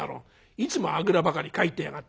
いつもあぐらばかりかいてやがって！